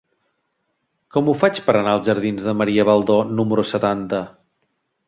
Com ho faig per anar als jardins de Maria Baldó número setanta?